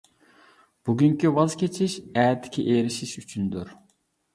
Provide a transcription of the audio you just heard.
بۈگۈنكى ۋاز كېچىش ئەتىكى ئېرىشىش ئۈچۈندۇر.